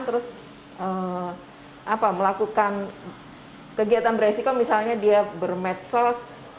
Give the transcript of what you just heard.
terus melakukan kegiatan beresiko misalnya dia bermedsos